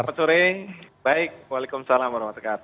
prof soreni baik waalaikumsalam wr wb